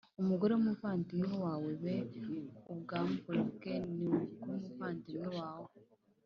umugore w umuvandimwe wawe b Ubwambure bwe ni ubw umuvandimwe wawe